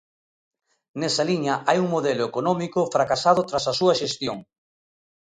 Nesa liña hai un modelo económico fracasado tras a súa xestión.